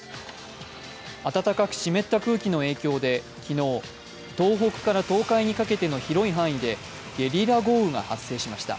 暖かく湿った空気の影響で昨日、東北から東海にかけての広い範囲でゲリラ豪雨が発生しました。